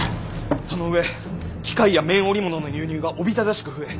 その上機械や綿織物の輸入がおびただしく増え